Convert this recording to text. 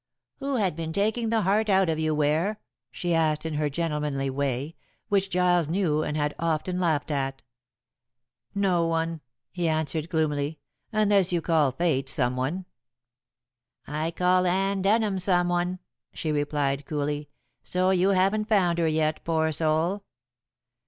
"Who had been taking the heart out of you, Ware?" she asked in her gentlemanly way, which Giles knew and had often laughed at. "No one," he answered gloomily, "unless you call Fate some one." "I call Anne Denham some one," she replied coolly, "so you haven't found her yet, poor soul!"